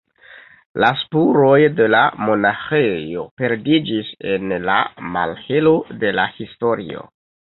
La spuroj de la monaĥejo perdiĝis en la malhelo de la historio.